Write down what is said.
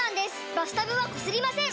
バスタブはこすりません！